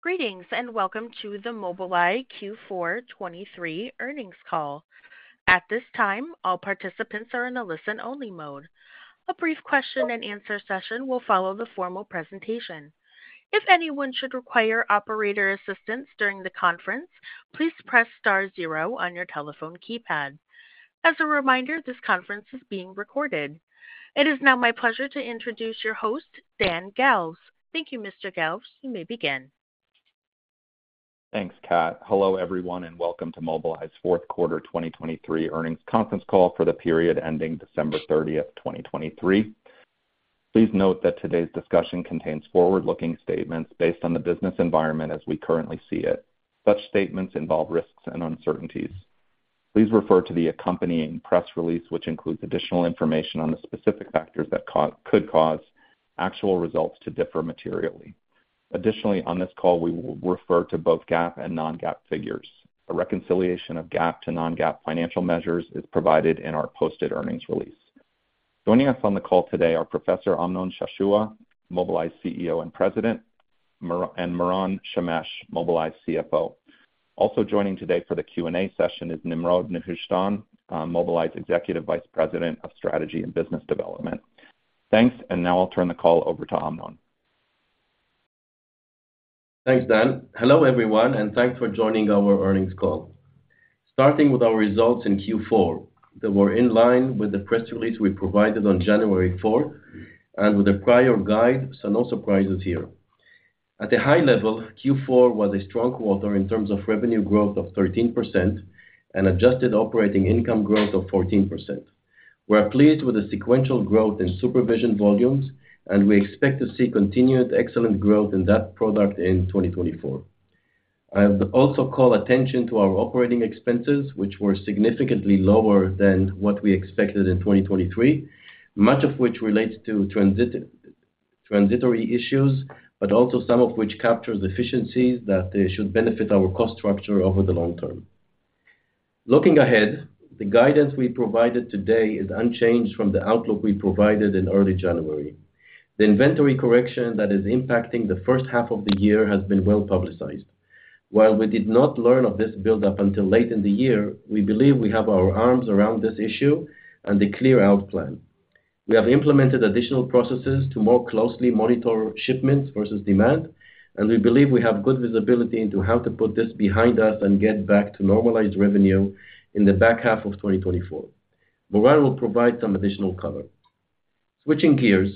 Greetings, and welcome to the Mobileye Q4 2023 earnings call. At this time, all participants are in a listen-only mode. A brief question and answer session will follow the formal presentation. If anyone should require operator assistance during the conference, please press star zero on your telephone keypad. As a reminder, this conference is being recorded. It is now my pleasure to introduce your host, Dan Galves. Thank you, Mr. Galves. You may begin. Thanks, Cat. Hello, everyone, and welcome to Mobileye's fourth quarter 2023 earnings conference call for the period ending December 30, 2023. Please note that today's discussion contains forward-looking statements based on the business environment as we currently see it. Such statements involve risks and uncertainties. Please refer to the accompanying press release, which includes additional information on the specific factors that could cause actual results to differ materially. Additionally, on this call, we will refer to both GAAP and non-GAAP figures. A reconciliation of GAAP to non-GAAP financial measures is provided in our posted earnings release. Joining us on the call today are Professor Amnon Shashua, Mobileye's CEO and President, and Moran Shemesh, Mobileye's CFO. Also joining today for the Q&A session is Nimrod Nehushtan, Mobileye's Executive Vice President of Strategy and Business Development. Thanks, and now I'll turn the call over to Amnon. Thanks, Dan. Hello, everyone, and thanks for joining our earnings call. Starting with our results in Q4, they were in line with the press release we provided on January fourth and with the prior guide, so no surprises here. At a high level, Q4 was a strong quarter in terms of revenue growth of 13% and adjusted operating income growth of 14%. We're pleased with the sequential growth in SuperVision volumes, and we expect to see continued excellent growth in that product in 2024. I would also call attention to our operating expenses, which were significantly lower than what we expected in 2023, much of which relates to transitory issues, but also some of which captures efficiencies that they should benefit our cost structure over the long term. Looking ahead, the guidance we provided today is unchanged from the outlook we provided in early January. The inventory correction that is impacting the first half of the year has been well-publicized. While we did not learn of this buildup until late in the year, we believe we have our arms around this issue and a clear out plan. We have implemented additional processes to more closely monitor shipments versus demand, and we believe we have good visibility into how to put this behind us and get back to normalized revenue in the back half of 2024. Moran will provide some additional color. Switching gears,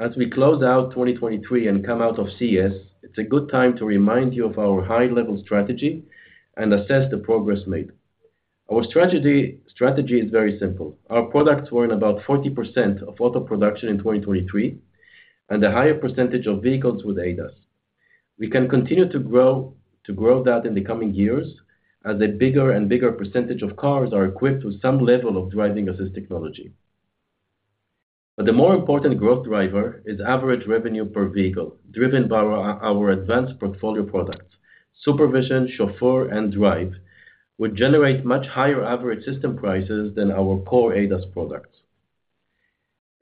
as we close out 2023 and come out of CES, it's a good time to remind you of our high-level strategy and assess the progress made. Our strategy, strategy is very simple. Our products were in about 40% of auto production in 2023 and a higher percentage of vehicles with ADAS. We can continue to grow, to grow that in the coming years as a bigger and bigger percentage of cars are equipped with some level of driving assist technology. But the more important growth driver is average revenue per vehicle, driven by our, our advanced portfolio products. SuperVision, Chauffeur, and Drive would generate much higher average system prices than our core ADAS products.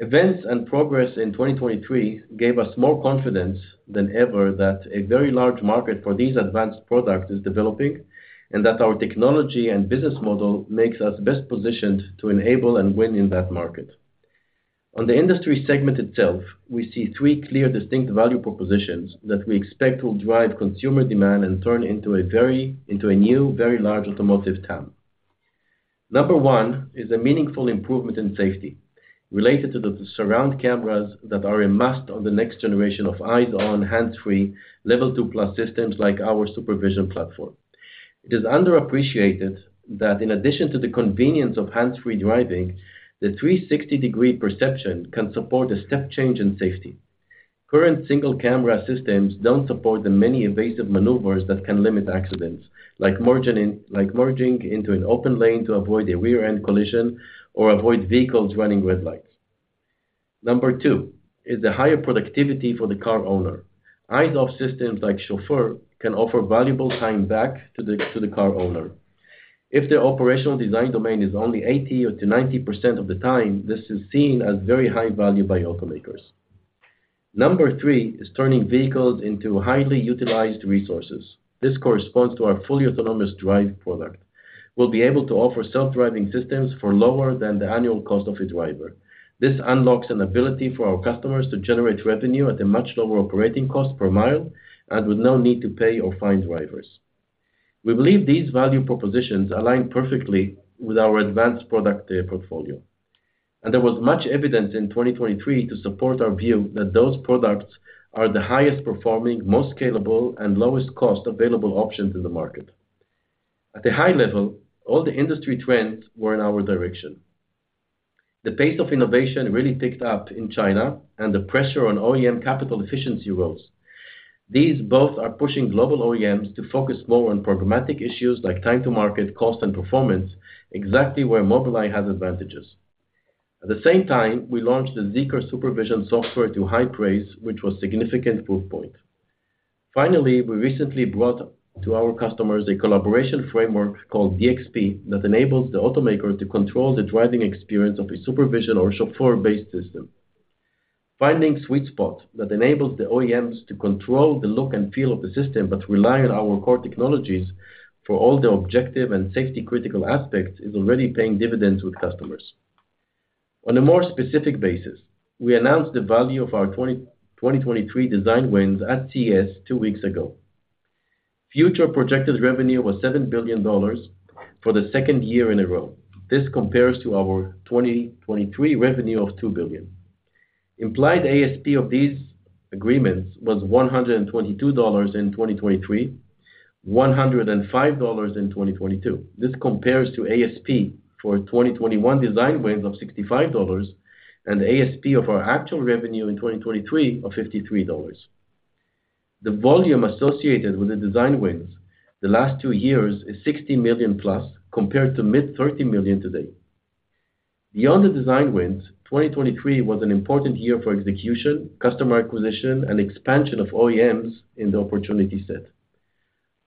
Events and progress in 2023 gave us more confidence than ever that a very large market for these advanced products is developing, and that our technology and business model makes us best positioned to enable and win in that market. On the industry segment itself, we see three clear distinct value propositions that we expect will drive consumer demand and turn into a very, into a new, very large automotive TAM. Number 1 is a meaningful improvement in safety related to the surround cameras that are a must on the next generation of eyes-on, hands-free, Level 2+ systems like our SuperVision platform. It is underappreciated that in addition to the convenience of hands-free driving, the 360-degree perception can support a step change in safety. Current single-camera systems don't support the many evasive maneuvers that can limit accidents, like merging in, like merging into an open lane to avoid a rear-end collision or avoid vehicles running red lights. Number 2 is the higher productivity for the car owner. Eyes-off systems like Chauffeur can offer valuable time back to the, to the car owner. If their operational design domain is only 80%-90% of the time, this is seen as very high value by automakers. Number 3 is turning vehicles into highly utilized resources. This corresponds to our fully autonomous drive product. We'll be able to offer self-driving systems for lower than the annual cost of a driver. This unlocks an ability for our customers to generate revenue at a much lower operating cost per mile and with no need to pay or fine drivers. We believe these value propositions align perfectly with our advanced product portfolio, and there was much evidence in 2023 to support our view that those products are the highest performing, most scalable, and lowest cost available options in the market. At a high level, all the industry trends were in our direction. The pace of innovation really picked up in China, and the pressure on OEM capital efficiency rose. These both are pushing global OEMs to focus more on programmatic issues like time to market, cost, and performance, exactly where Mobileye has advantages. At the same time, we launched the ZEEKR SuperVision software to high praise, which was a significant proof point. Finally, we recently brought to our customers a collaboration framework called DXP, that enables the automaker to control the driving experience of a SuperVision or Chauffeur-based system. Finding sweet spot that enables the OEMs to control the look and feel of the system, but rely on our core technologies for all the objective and safety critical aspects, is already paying dividends with customers. On a more specific basis, we announced the value of our 2023 design wins at CES two weeks ago. Future projected revenue was $7 billion for the second year in a row. This compares to our 2023 revenue of $2 billion. Implied ASP of these agreements was $122 in 2023, $105 in 2022. This compares to ASP for 2021 design wins of $65, and ASP of our actual revenue in 2023 of $53. The volume associated with the design wins the last two years is 60 million+, compared to mid-30 million today. Beyond the design wins, 2023 was an important year for execution, customer acquisition, and expansion of OEMs in the opportunity set.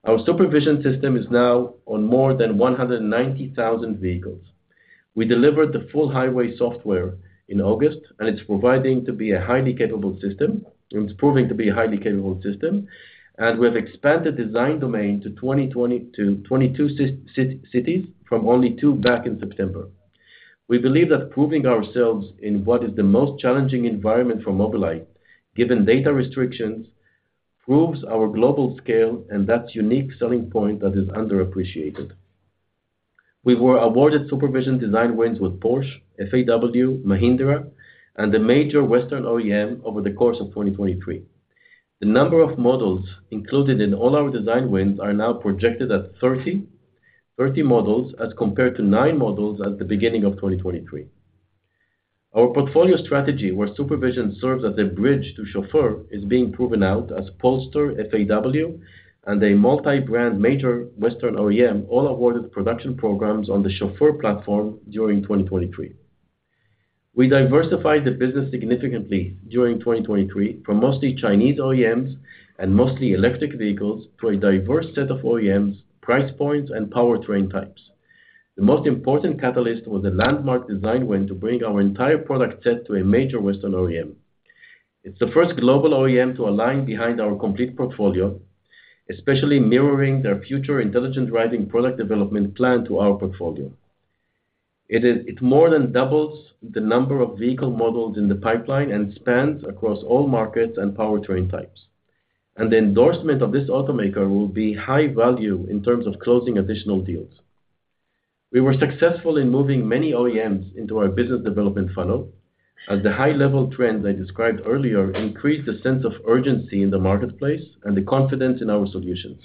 Our supervision system is now on more than 190,000 vehicles. We delivered the full highway software in August, and it's proving to be a highly capable system, and we've expanded design domain to 22 cities, from only two back in September. We believe that proving ourselves in what is the most challenging environment for Mobileye, given data restrictions, proves our global scale and that unique selling point that is underappreciated. We were awarded SuperVision design wins with Porsche, FAW, Mahindra, and the major Western OEM over the course of 2023. The number of models included in all our design wins are now projected at 30, 30 models, as compared to 9 models at the beginning of 2023. Our portfolio strategy, where SuperVision serves as a bridge to Chauffeur, is being proven out as Polestar, FAW, and a multi-brand major Western OEM, all awarded production programs on the Chauffeur platform during 2023. We diversified the business significantly during 2023, from mostly Chinese OEMs and mostly electric vehicles, to a diverse set of OEMs, price points, and powertrain types. The most important catalyst was a landmark design win to bring our entire product set to a major Western OEM. It's the first global OEM to align behind our complete portfolio, especially mirroring their future intelligent driving product development plan to our portfolio. It more than doubles the number of vehicle models in the pipeline and spans across all markets and powertrain types. And the endorsement of this automaker will be high value in terms of closing additional deals. We were successful in moving many OEMs into our business development funnel, as the high-level trends I described earlier increased the sense of urgency in the marketplace and the confidence in our solutions.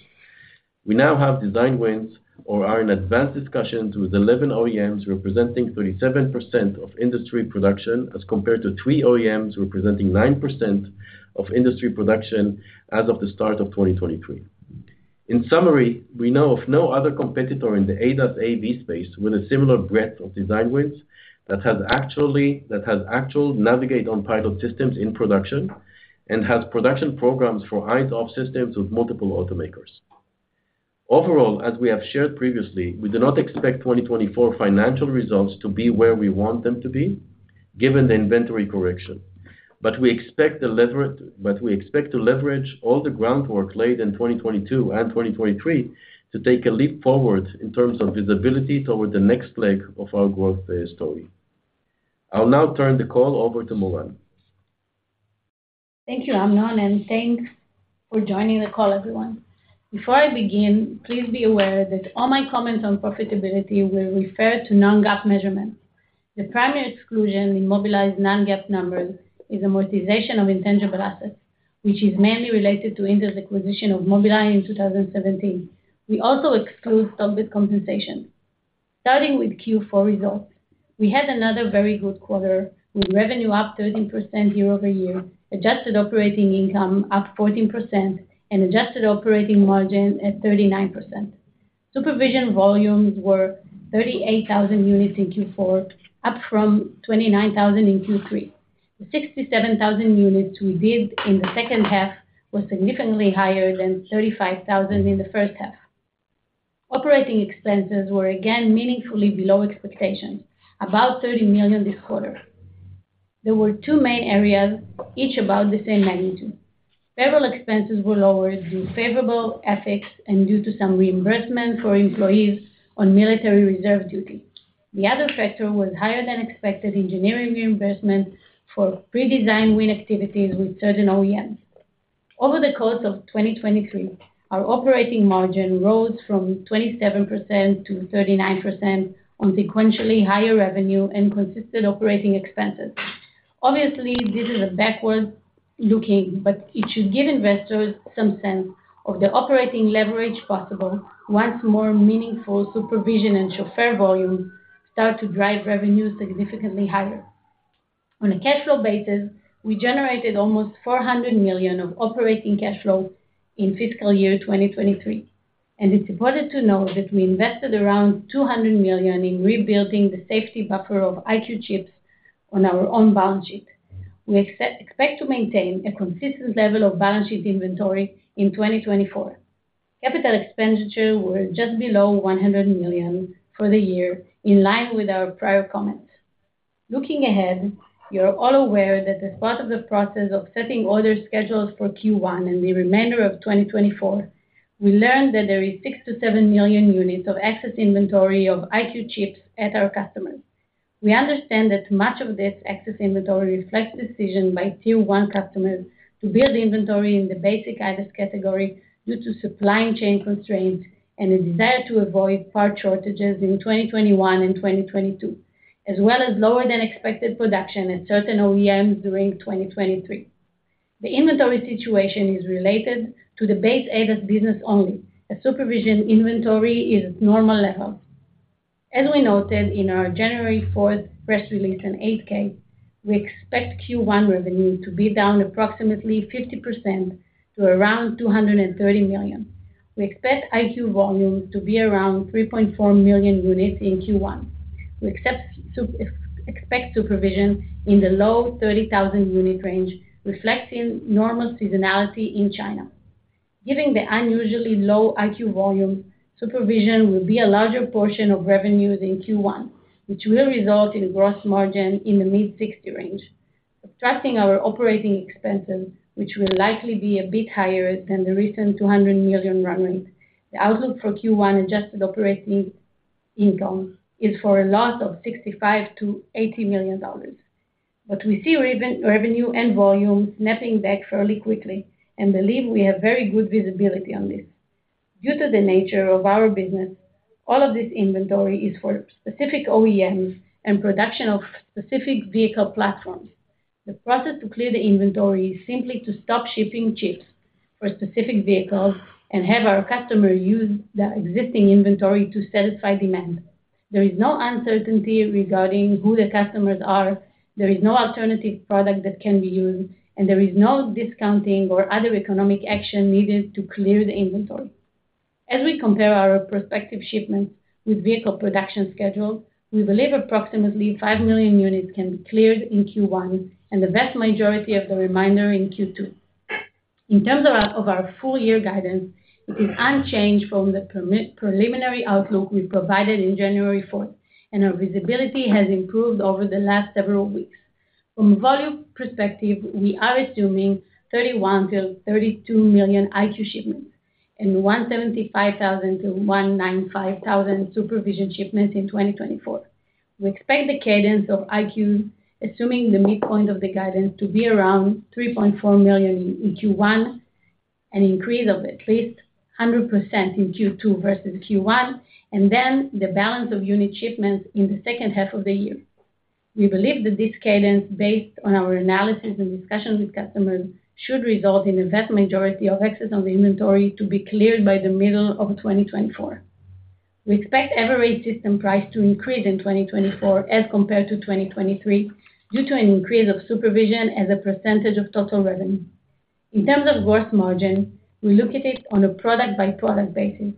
We now have design wins or are in advanced discussions with 11 OEMs, representing 37% of industry production, as compared to 3 OEMs, representing 9% of industry production as of the start of 2023. In summary, we know of no other competitor in the ADAS AV space with a similar breadth of design wins that has actually, that has actual Navigate on Pilot systems in production, and has production programs for eyes-off systems with multiple automakers. Overall, as we have shared previously, we do not expect 2024 financial results to be where we want them to be, given the inventory correction. But we expect to leverage all the groundwork laid in 2022 and 2023 to take a leap forward in terms of visibility toward the next leg of our growth story. I'll now turn the call over to Moran. Thank you, Amnon, and thanks for joining the call, everyone. Before I begin, please be aware that all my comments on profitability will refer to non-GAAP measurements. The primary exclusion in Mobileye's non-GAAP numbers is amortization of intangible assets, which is mainly related to Intel's acquisition of Mobileye in 2017. We also exclude stock-based compensation. Starting with Q4 results, we had another very good quarter, with revenue up 13% year-over-year, adjusted operating income up 14%, and adjusted operating margin at 39%. SuperVision volumes were 38,000 units in Q4, up from 29,000 in Q3. The 67,000 units we did in the second half was significantly higher than 35,000 in the first half. Operating expenses were again meaningfully below expectations, about $30 million this quarter. There were two main areas, each about the same magnitude. Payroll expenses were lower due to favorable FX and due to some reimbursement for employees on military reserve duty. The other factor was higher than expected engineering reimbursement for pre-design win activities with certain OEMs. Over the course of 2023, our operating margin rose from 27%-39% on sequentially higher revenue and consistent operating expenses. Obviously, this is a backward-looking, but it should give investors some sense of the operating leverage possible once more meaningful supervision and Chauffeur volumes start to drive revenue significantly higher. On a cash flow basis, we generated almost $400 million of operating cash flow in fiscal year 2023, and it's important to note that we invested around $200 million in rebuilding the safety buffer of EyeQ chips on our own balance sheet. We expect to maintain a consistent level of balance sheet inventory in 2024. Capital expenditures were just below $100 million for the year, in line with our prior comments. Looking ahead, you're all aware that as part of the process of setting order schedules for Q1 and the remainder of 2024, we learned that there is 6-7 million units of excess inventory of EyeQ chips at our customers. We understand that much of this excess inventory reflects decision by Tier 1 customers to build inventory in the basic ADAS category due to supply chain constraints and a desire to avoid part shortages in 2021 and 2022, as well as lower than expected production at certain OEMs during 2023. The inventory situation is related to the base ADAS business only, as SuperVision inventory is at normal levels. As we noted in our January 4 press release and 8-K, we expect Q1 revenue to be down approximately 50% to around $230 million. We expect EyeQ volume to be around 3.4 million units in Q1. We expect supervision in the low 30,000-unit range, reflecting normal seasonality in China. Given the unusually low EyeQ volume, supervision will be a larger portion of revenues in Q1, which will result in gross margin in the mid-60% range. Subtracting our operating expenses, which will likely be a bit higher than the recent $200 million run rate, the outlook for Q1 adjusted operating income is for a loss of $65 million-$80 million. But we see revenue and volume snapping back fairly quickly and believe we have very good visibility on this. Due to the nature of our business, all of this inventory is for specific OEMs and production of specific vehicle platforms. The process to clear the inventory is simply to stop shipping chips for specific vehicles and have our customer use the existing inventory to satisfy demand. There is no uncertainty regarding who the customers are, there is no alternative product that can be used, and there is no discounting or other economic action needed to clear the inventory. As we compare our prospective shipments with vehicle production schedules, we believe approximately 5 million units can be cleared in Q1, and the vast majority of the remainder in Q2. In terms of our, of our full year guidance, it is unchanged from the preliminary outlook we provided in January fourth, and our visibility has improved over the last several weeks. From volume perspective, we are assuming 31-32 million EyeQ shipments and 175,000-195,000 SuperVision shipments in 2024. We expect the cadence of EyeQ, assuming the midpoint of the guidance, to be around 3.4 million in Q1, an increase of at least 100% in Q2 versus Q1, and then the balance of unit shipments in the second half of the year. We believe that this cadence, based on our analysis and discussions with customers, should result in the vast majority of excess on the inventory to be cleared by the middle of 2024. We expect average system price to increase in 2024 as compared to 2023, due to an increase of SuperVision as a percentage of total revenue. In terms of gross margin, we look at it on a product-by-product basis.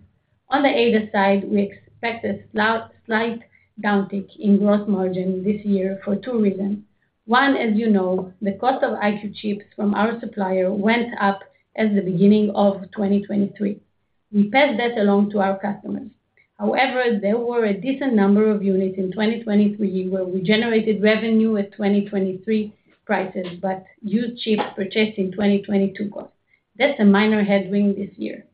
On the ADAS side, we expect a slight downtick in gross margin this year for two reasons. One, as you know, the cost of EyeQ chips from our supplier went up at the beginning of 2023. We passed that along to our customers. However, there were a decent number of units in 2023, where we generated revenue at 2023 prices, but used chips purchased in 2022 cost. That's a minor headwind this year.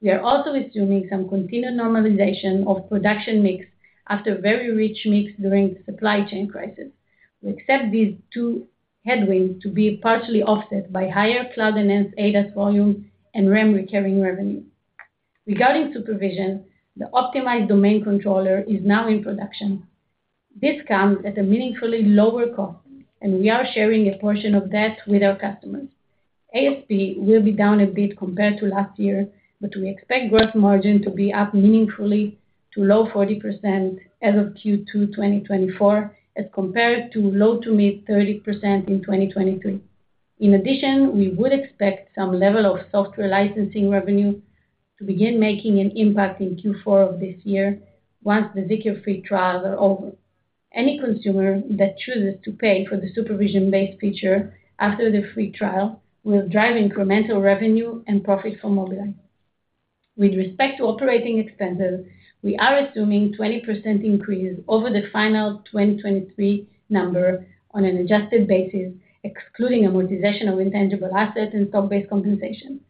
We are also assuming some continued normalization of production mix after a very rich mix during the supply chain crisis. We expect these two headwinds to be partially offset by higher Cloud-Enhanced ADAS volume and REM recurring revenue. Regarding SuperVision, the optimized domain controller is now in production. This comes at a meaningfully lower cost, and we are sharing a portion of that with our customers. ASP will be down a bit compared to last year, but we expect gross margin to be up meaningfully to low 40% as of Q2 2024, as compared to low-to-mid 30% in 2023. In addition, we would expect some level of software licensing revenue to begin making an impact in Q4 of this year once the ZEEKR free trials are over. Any consumer that chooses to pay for the supervision-based feature after the free trial, will drive incremental revenue and profit for Mobileye. With respect to operating expenses, we are assuming 20% increase over the final 2023 number on an adjusted basis, excluding amortization of intangible assets and stock-based compensation.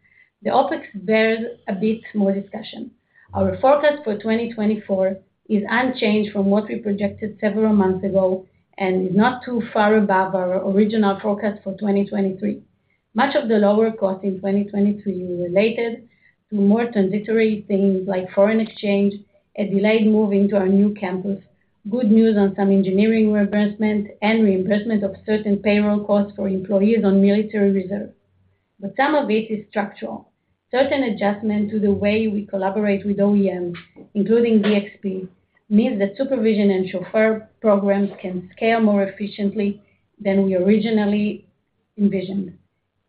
The OpEx bears a bit more discussion. Our forecast for 2024 is unchanged from what we projected several months ago and is not too far above our original forecast for 2023. Much of the lower cost in 2023 related to more transitory things like foreign exchange, a delayed move into our new campus, good news on some engineering reimbursement, and reimbursement of certain payroll costs for employees on military reserve. But some of it is structural. Certain adjustments to the way we collaborate with OEMs, including DXP, means that supervision and chauffeur programs can scale more efficiently than we originally envisioned.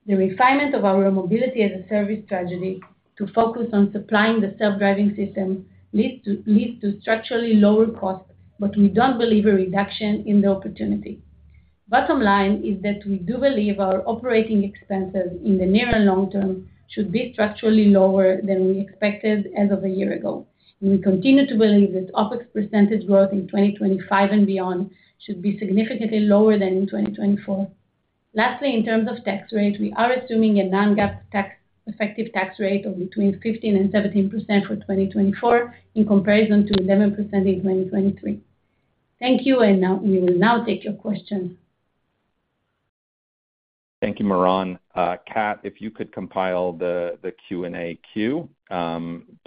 The refinement of our mobility as a service strategy to focus on supplying the self-driving system leads to structurally lower costs, but we don't believe a reduction in the opportunity.... Bottom line is that we do believe our operating expenses in the near and long term should be structurally lower than we expected as of a year ago. We continue to believe that OpEx percentage growth in 2025 and beyond should be significantly lower than in 2024. Lastly, in terms of tax rate, we are assuming a non-GAAP tax effective tax rate of between 15% and 17% for 2024, in comparison to 11% in 2023. Thank you, and now, we will now take your questions. Thank you, Moran. Cat, if you could compile the Q&A queue.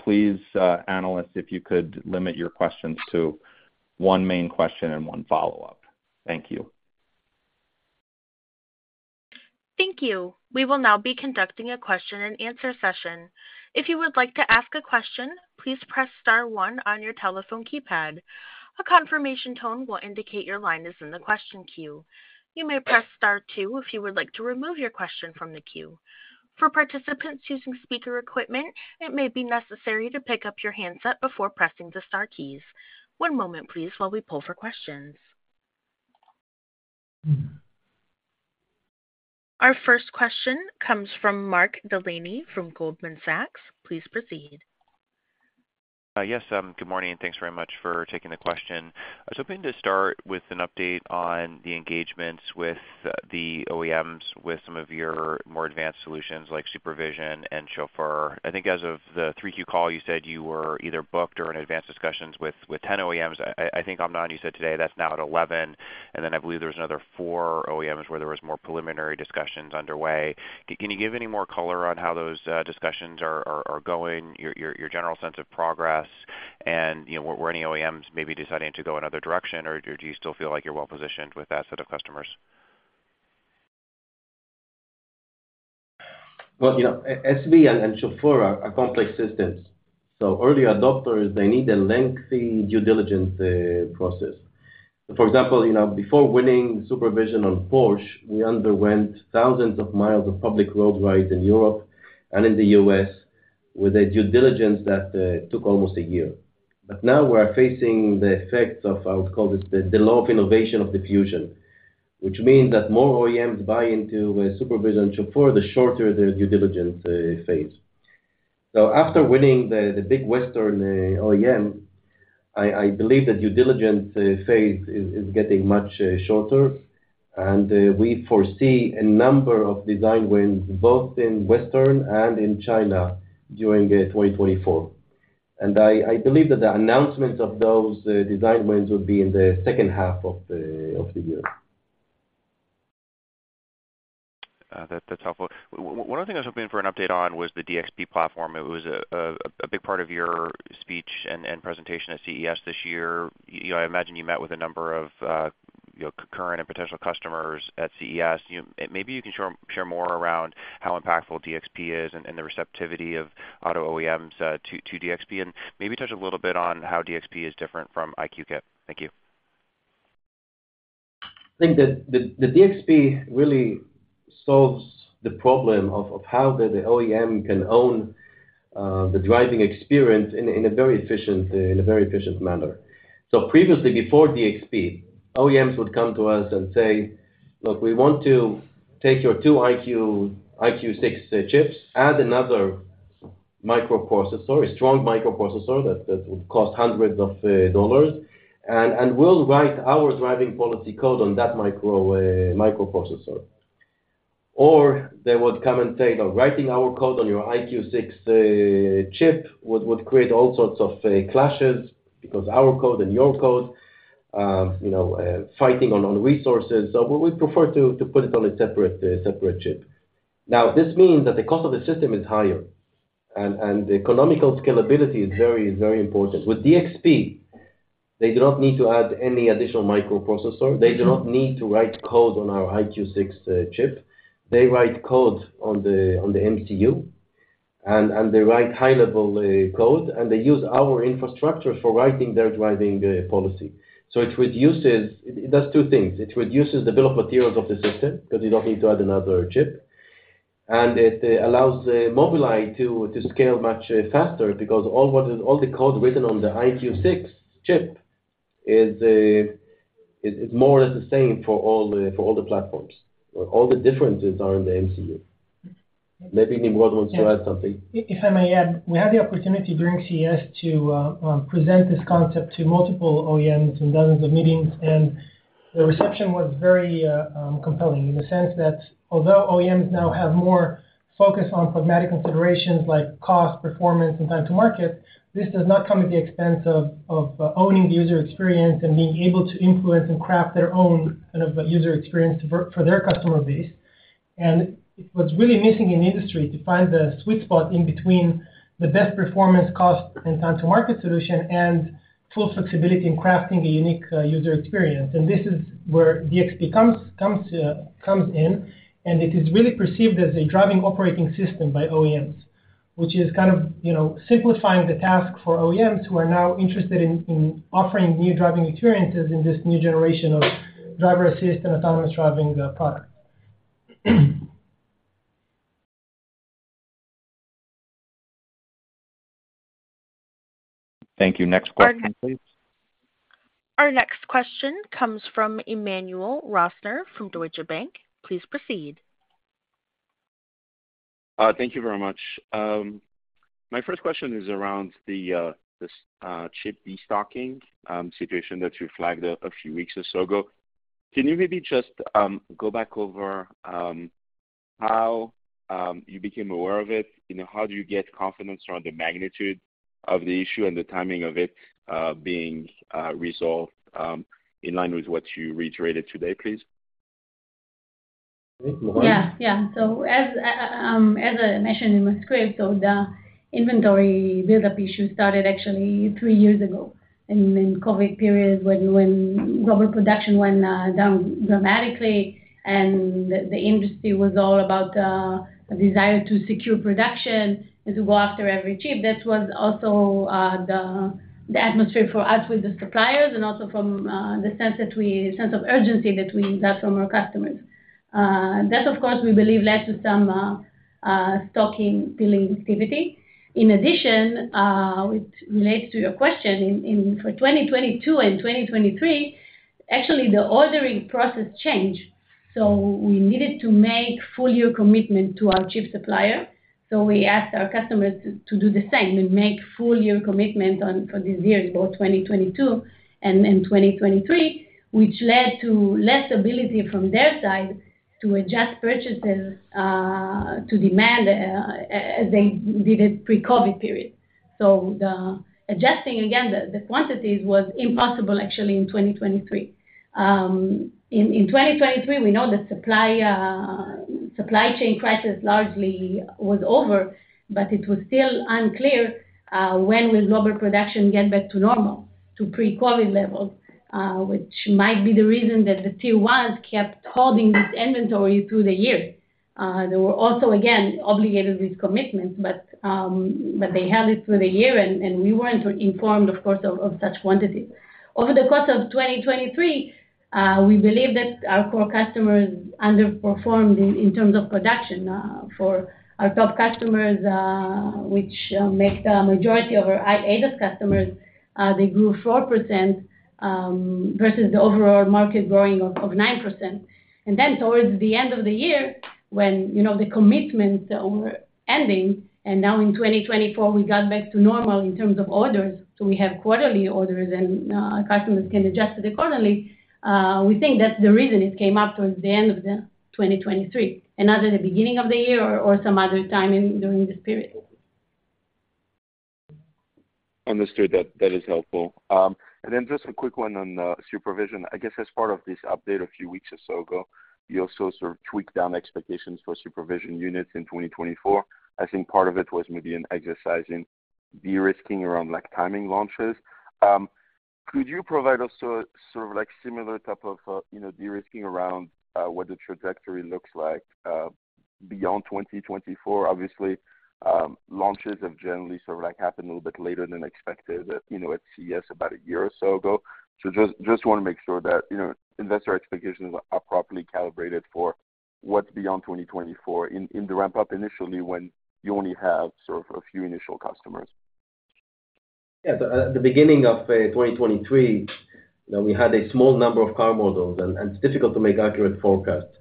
Please, analysts, if you could limit your questions to one main question and one follow-up. Thank you. Thank you. We will now be conducting a question-and-answer session. If you would like to ask a question, please press star one on your telephone keypad. A confirmation tone will indicate your line is in the question queue. You may press star two if you would like to remove your question from the queue. For participants using speaker equipment, it may be necessary to pick up your handset before pressing the star keys. One moment, please, while we pull for questions. Our first question comes from Mark Delaney from Goldman Sachs. Please proceed. Yes, good morning, and thanks very much for taking the question. I was hoping to start with an update on the engagements with the OEMs, with some of your more advanced solutions like SuperVision and Chauffeur. I think as of the Q3 call, you said you were either booked or in advanced discussions with 10 OEMs. I think, Amnon, you said today that's now at 11, and then I believe there's another 4 OEMs where there was more preliminary discussions underway. Can you give any more color on how those discussions are going, your general sense of progress, and, you know, were any OEMs maybe deciding to go another direction, or do you still feel like you're well-positioned with that set of customers? Well, you know, SV and Chauffeur are complex systems. So early adopters, they need a lengthy due diligence process. For example, you know, before winning SuperVision on Porsche, we underwent thousands of miles of public road rides in Europe and in the U.S. with a due diligence that took almost a year. But now we're facing the effects of, I would call this the law of innovation of diffusion, which means that more OEMs buy into SuperVision, Chauffeur, the shorter the due diligence phase. So after winning the big Western OEM, I believe the due diligence phase is getting much shorter, and we foresee a number of design wins, both in Western and in China during 2024. I believe that the announcement of those design wins will be in the second half of the year. That's helpful. One thing I was hoping for an update on was the DXP platform. It was a big part of your speech and presentation at CES this year. You know, I imagine you met with a number of, you know, current and potential customers at CES. You know, maybe you can share more around how impactful DXP is and the receptivity of auto OEMs to DXP, and maybe touch a little bit on how DXP is different from EyeQ Kit. Thank you. I think that the DXP really solves the problem of how the OEM can own the driving experience in a very efficient manner. So previously, before DXP, OEMs would come to us and say, "Look, we want to take your 2 EyeQ6 chips, add another microprocessor, a strong microprocessor that would cost hundreds of dollars, and we'll write our driving policy code on that microprocessor." Or they would come and say, "Well, writing our code on your EyeQ6 chip would create all sorts of clashes because our code and your code, you know, fighting on resources. So we would prefer to put it on a separate chip." Now, this means that the cost of the system is higher and the economical scalability is very, very important. With DXP, they do not need to add any additional microprocessor. They do not need to write code on our EyeQ6 chip. They write code on the MCU, and they write high-level code, and they use our infrastructure for writing their driving policy. So it reduces. It does two things: It reduces the bill of materials of the system because you don't need to add another chip, and it allows Mobileye to scale much faster because all the code written on the EyeQ6 chip is more or less the same for all the platforms. All the differences are in the MCU. Maybe Nimrod wants to add something. If I may add, we had the opportunity during CES to present this concept to multiple OEMs in dozens of meetings, and the reception was very compelling in the sense that although OEMs now have more focus on pragmatic considerations like cost, performance, and time to market, this does not come at the expense of owning the user experience and being able to influence and craft their own kind of user experience to work for their customer base. And what's really missing in the industry to find the sweet spot in between the best performance, cost, and time to market solution, and full flexibility in crafting a unique user experience. This is where DXP comes in, and it is really perceived as a driving operating system by OEMs, which is kind of, you know, simplifying the task for OEMs who are now interested in offering new driving experiences in this new generation of driver-assist and autonomous driving product. ... Thank you. Next question, please. Our next question comes from Emmanuel Rosner from Deutsche Bank. Please proceed. Thank you very much. My first question is around the chip destocking situation that you flagged a few weeks or so ago. Can you maybe just go back over how you became aware of it? You know, how do you get confidence around the magnitude of the issue and the timing of it being resolved in line with what you reiterated today, please? Yeah, yeah. So as I mentioned in my script, so the inventory buildup issue started actually three years ago, in COVID period, when global production went down dramatically and the industry was all about a desire to secure production, and to go after every chip. That was also the atmosphere for us with the suppliers and also from the sense of urgency that we got from our customers. That, of course, we believe led to some stocking, dealing activity. In addition, which relates to your question in—for 2022 and 2023, actually, the ordering process changed, so we needed to make full year commitment to our chip supplier. So we asked our customers to do the same, and make full year commitment on, for these years, both 2022 and 2023, which led to less ability from their side to adjust purchases to demand, as they did it pre-COVID period. So the adjusting, again, the quantities was impossible actually in 2023. In 2023, we know the supply chain crisis largely was over, but it was still unclear when will global production get back to normal, to pre-COVID levels, which might be the reason that the Tier 1s kept holding this inventory through the year. They were also again obligated with commitments, but they held it through the year and we weren't informed, of course, of such quantities. Over the course of 2023, we believe that our core customers underperformed in terms of production for our top customers, which make the majority of our ADAS customers. They grew 4% versus the overall market growing 9%. And then towards the end of the year, when you know the commitments were ending, and now in 2024, we got back to normal in terms of orders, so we have quarterly orders and customers can adjust to them quarterly. We think that's the reason it came up towards the end of 2023, and not in the beginning of the year or some other time during this period. Understood. That, that is helpful. And then just a quick one on, supervision. I guess as part of this update a few weeks or so ago, you also sort of tweaked down expectations for supervision units in 2024. I think part of it was maybe an exercise in de-risking around, like, timing launches. Could you provide us a sort of, like, similar type of, you know, de-risking around, what the trajectory looks like, beyond 2024? Obviously, launches have generally sort of, like, happened a little bit later than expected, you know, at CES about a year or so ago. So just, just want to make sure that, you know, investor expectations are properly calibrated for what's beyond 2024 in, in the ramp up initially when you only have sort of a few initial customers. Yeah. At the beginning of 2023, we had a small number of car models, and it's difficult to make accurate forecasts.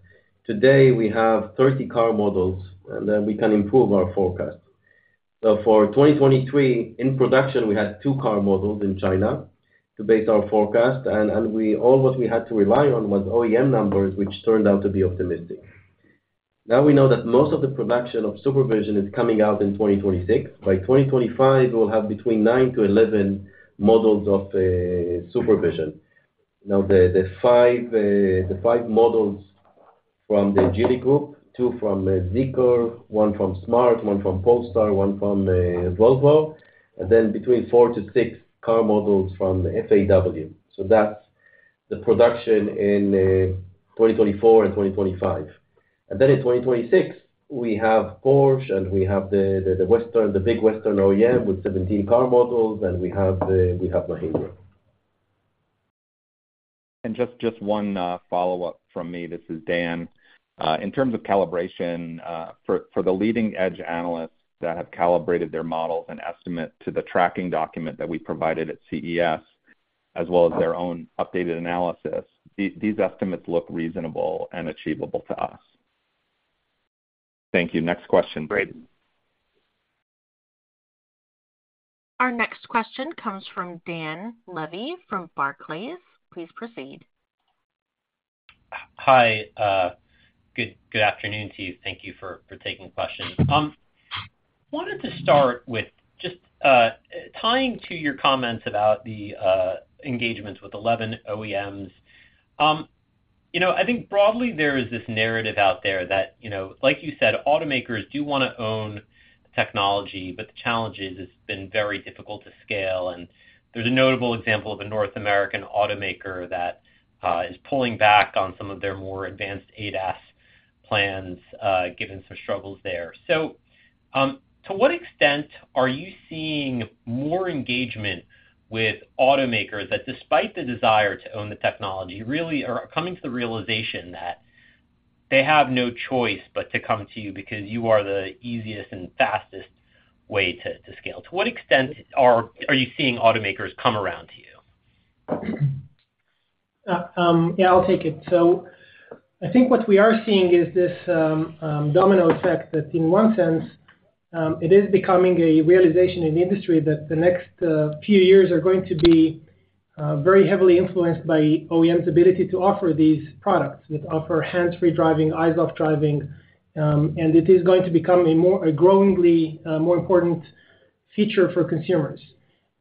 Today, we have 30 car models, and then we can improve our forecast. So for 2023, in production, we had two car models in China to base our forecast, and all what we had to rely on was OEM numbers, which turned out to be optimistic. Now, we know that most of the production of SuperVision is coming out in 2026. By 2025, we'll have between 9-11 models of SuperVision. Now, the five models from the Geely Group, two from ZEEKR, one from smart, one from Polestar, one from Volvo, and then between 4-6 car models from the FAW Group. So that's the production in 2024 and 2025. And then in 2026, we have Porsche, and we have the big Western OEM with 17 car models, and we have Mahindra. And just one follow-up from me. This is Dan. In terms of calibration, for the leading edge analysts that have calibrated their models and estimate to the tracking document that we provided at CES, as well as their own updated analysis, these estimates look reasonable and achievable to us. Thank you. Next question, Brady. Our next question comes from Dan Levy, from Barclays. Please proceed. Hi, good, good afternoon to you. Thank you for taking questions. Wanted to start with just tying to your comments about the engagements with 11 OEMs. You know, I think broadly there is this narrative out there that, you know, like you said, automakers do want to own technology, but the challenge is, it's been very difficult to scale, and there's a notable example of a North American automaker that is pulling back on some of their more advanced ADAS plans, given some struggles there. So, to what extent are you seeing more engagement with automakers that, despite the desire to own the technology, really are coming to the realization that they have no choice but to come to you because you are the easiest and fastest way to scale. To what extent are you seeing automakers come around to you? Yeah, I'll take it. So I think what we are seeing is this domino effect, that in one sense, it is becoming a realization in the industry that the next few years are going to be very heavily influenced by OEM's ability to offer these products, that offer hands-free driving, eyes-off driving, and it is going to become a more, a growingly more important feature for consumers.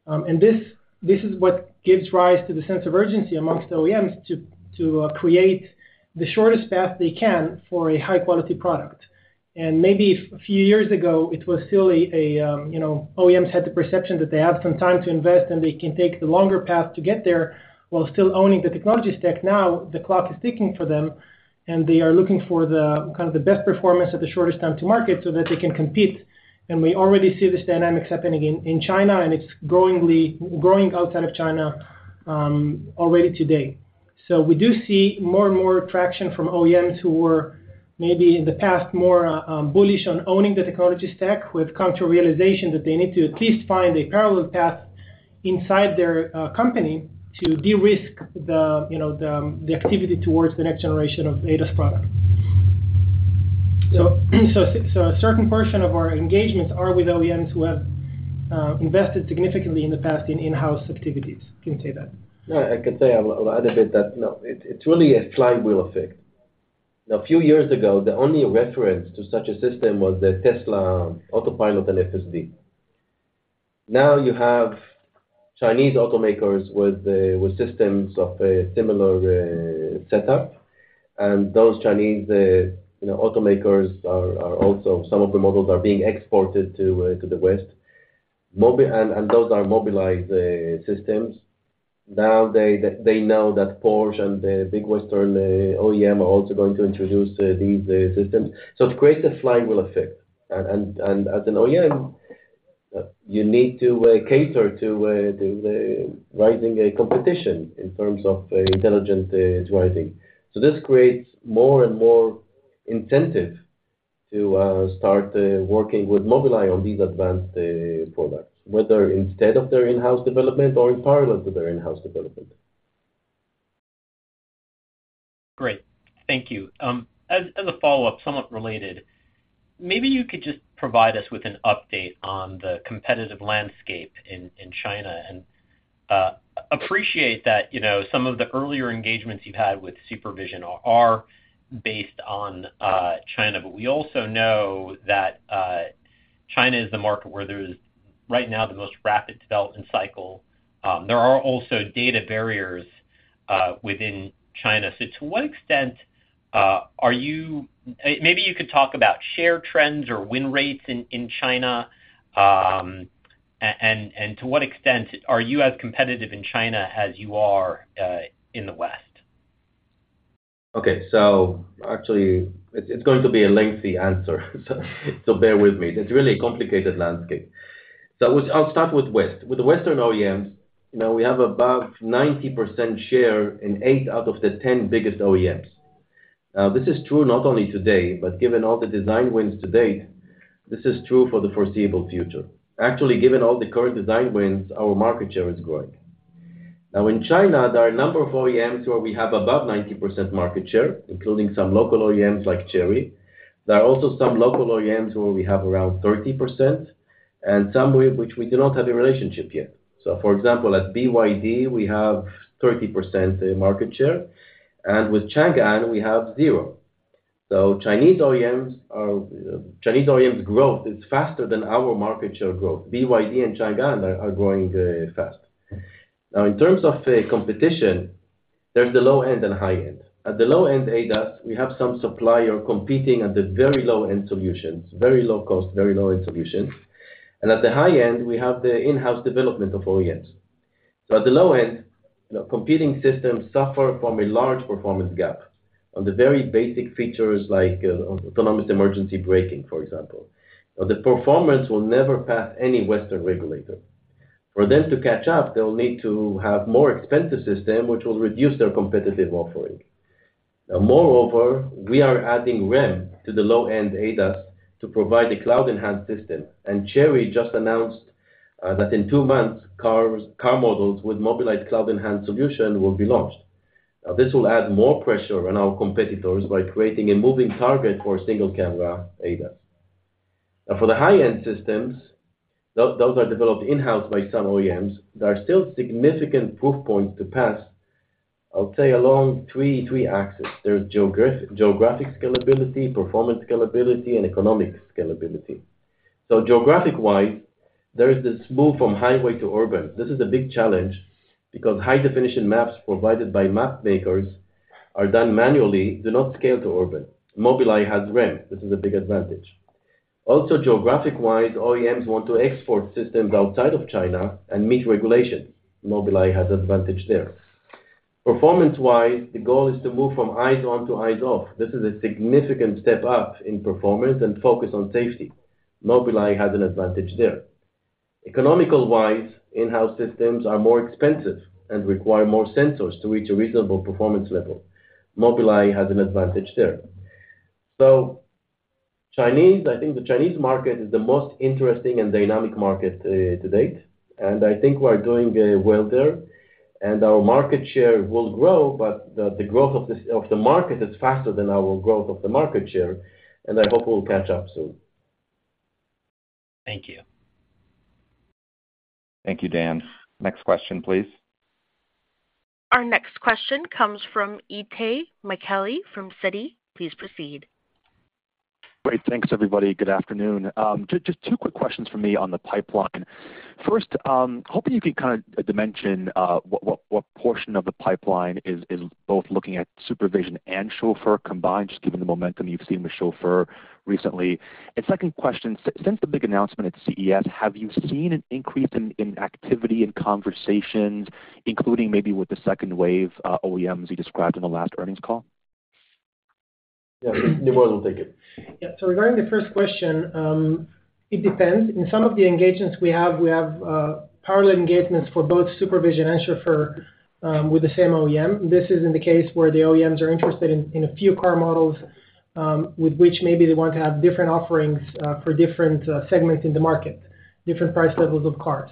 And this, this is what gives rise to the sense of urgency amongst OEMs to create the shortest path they can for a high quality product. Maybe a few years ago, it was still a you know, OEMs had the perception that they have some time to invest, and they can take the longer path to get there while still owning the technology stack. Now, the clock is ticking for them, and they are looking for the kind of best performance at the shortest time to market so that they can compete. We already see this dynamics happening in China, and it's growing outside of China already today. So we do see more and more traction from OEMs who were maybe in the past more bullish on owning the technology stack, who have come to a realization that they need to at least find a parallel path inside their company to de-risk the, you know, the activity towards the next generation of ADAS product. So a certain portion of our engagements are with OEMs who have invested significantly in the past in-house activities. Can you say that? Yeah, I could say a little bit that no, it's really a flywheel effect. Now, a few years ago, the only reference to such a system was the Tesla Autopilot and FSD. Now you have Chinese automakers with the systems of a similar setup, and those Chinese, you know, automakers are also some of the models are being exported to the West. And those are Mobileye systems. Now, they know that Porsche and the big Western OEM are also going to introduce these systems. So it creates a flywheel effect. And as an OEM, you need to cater to the rising competition in terms of intelligent driving. So this creates more and more incentive to start working with Mobileye on these advanced products, whether instead of their in-house development or in parallel to their in-house development. Great. Thank you. As a follow-up, somewhat related, maybe you could just provide us with an update on the competitive landscape in China. And appreciate that, you know, some of the earlier engagements you've had with SuperVision are based on China, but we also know that China is the market where there is right now the most rapid development cycle. There are also data barriers within China. So to what extent are you—maybe you could talk about share trends or win rates in China, and to what extent are you as competitive in China as you are in the West? Okay. So actually, it's going to be a lengthy answer, so bear with me. It's really a complicated landscape. So I'll start with West. With the Western OEMs, you know, we have about 90% share in 8 out of the 10 biggest OEMs. Now, this is true not only today, but given all the design wins to date, this is true for the foreseeable future. Actually, given all the current design wins, our market share is growing. Now, in China, there are a number of OEMs where we have above 90% market share, including some local OEMs like Chery. There are also some local OEMs where we have around 30%, and some with which we do not have a relationship yet. So for example, at BYD, we have 30% market share, and with Changan, we have 0. So Chinese OEMs are Chinese OEMs growth is faster than our market share growth. BYD and Changan are growing fast. Now, in terms of the competition, there's the low end and high end. At the low end ADAS, we have some supplier competing at the very low-end solutions, very low cost, very low-end solutions. And at the high end, we have the in-house development of OEMs. So at the low end, competing systems suffer from a large performance gap on the very basic features like autonomous emergency braking, for example. Now, the performance will never pass any Western regulator. For them to catch up, they'll need to have more expensive system, which will reduce their competitive offering. Now, moreover, we are adding REM to the low-end ADAS to provide a cloud-enhanced system, and Chery just announced that in two months, car models with Mobileye cloud-enhanced solution will be launched. Now, this will add more pressure on our competitors by creating a moving target for a single-camera ADAS. Now, for the high-end systems, those are developed in-house by some OEMs. There are still significant proof points to pass, I'll say along three axes. There's geographic scalability, performance scalability, and economic scalability. So geographic-wise, there is this move from highway to urban. This is a big challenge because high-definition maps provided by map makers are done manually, do not scale to urban. Mobileye has REM. This is a big advantage. Also, geographic-wise, OEMs want to export systems outside of China and meet regulations. Mobileye has advantage there. Performance-wise, the goal is to move from eyes-on to eyes-off. This is a significant step up in performance and focus on safety. Mobileye has an advantage there. Economical-wise, in-house systems are more expensive and require more sensors to reach a reasonable performance level. Mobileye has an advantage there. So Chinese, I think the Chinese market is the most interesting and dynamic market to date, and I think we're doing well there, and our market share will grow, but the growth of the market is faster than our growth of the market share, and I hope we'll catch up soon. Thank you. Thank you, Dan. Next question, please. Our next question comes from Itay Michaeli from Citi. Please proceed. Great. Thanks, everybody. Good afternoon. Just two quick questions for me on the pipeline. First, hoping you can kind of dimension what portion of the pipeline is both looking at SuperVision and Chauffeur combined, just given the momentum you've seen with Chauffeur recently. And second question, since the big announcement at CES, have you seen an increase in activity and conversations, including maybe with the second wave OEMs you described in the last earnings call? Yeah. Nimrod will take it. Yeah. So regarding the first question, it depends. In some of the engagements we have, we have parallel engagements for both SuperVision and Chauffeur with the same OEM. This is in the case where the OEMs are interested in a few car models with which maybe they want to have different offerings for different segments in the market, different price levels of cars.